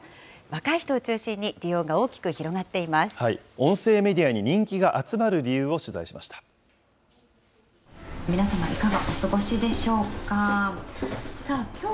若い人を中心に、利用が大きく広音声メディアに人気が集まる皆様、いかがお過ごしでしょうか。